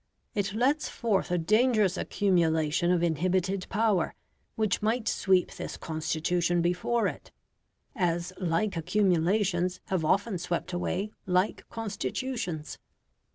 It lets forth a dangerous accumulation of inhibited power, which might sweep this Constitution before it, as like accumulations have often swept away like Constitutions.